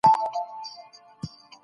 د پرېکړو پلي کول قدرت ته اړتیا لري.